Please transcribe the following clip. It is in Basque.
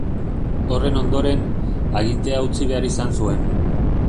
Horren ondoren, agintea utzi behar izan zuen.